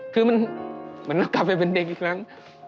คือมันเหมือนกลับไปเป็นเด็กอีกแล้ว